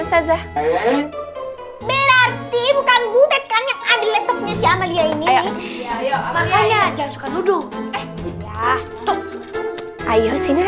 ustazah berarti bukan butetkan yang ada laptopnya si amalia ini makanya jangan suka nuduh ayo sini